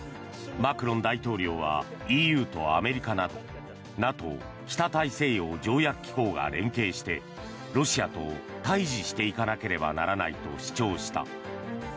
マクロン大統領はＥＵとアメリカなどＮＡＴＯ・北大西洋条約機構が連携してロシアと対峙していかなければならないと主張した。